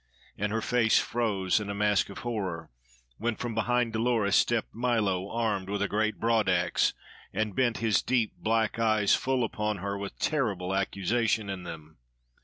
And her face froze in a mask of horror when from behind Dolores stepped Milo, armed with a great broad ax, and bent his deep black eyes full upon her with terrible accusation in them.